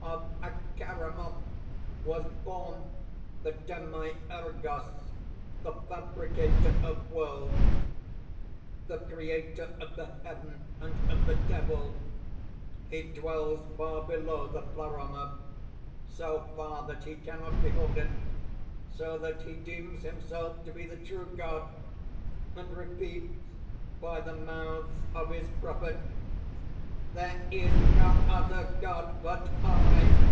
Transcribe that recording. "Of Acharamoth was born the Demiurgos, the fabricator of worlds, the creator of the heaven and of the Devil. He dwells far below the Pleroma so far that he cannot behold it so that he deems himself to be the true God, and repeats by the mouths of his prophets 'There is no other God but I.'